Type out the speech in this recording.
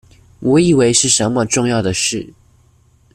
我以為是什麼重要的事